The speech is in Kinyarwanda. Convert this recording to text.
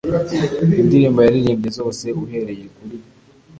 Indirimbo yaririmbye zose uhereye kuri